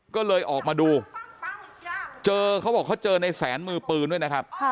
ก็เลยออกมาดูเจอเขาบอกเขาเจอในแสนมือปืนด้วยนะครับ